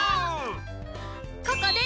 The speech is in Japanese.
ここです！